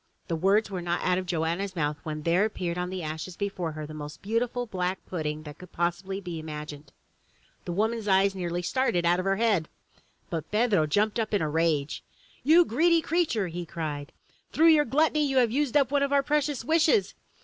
The words were not out of Joanna's mouth when there appeared on the ashes before her the most delicious black pudding that could possibly be imagined! The woman's eyes nearly started out of her head! But Pedro jumped up in a rage. "You greedy creature!" he cried. "Through your gluttony you have used up one of our precious wishes!